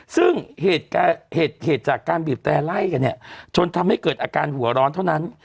ซึ่งเหตุจากการบีบแต่ไล่กันเนี่ยจนทำให้เกิดอาการหัวร้อนเท่านั้น